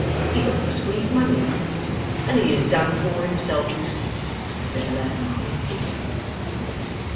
He thought to squeeze money out of us, and he has done for himself instead, Bella my dear!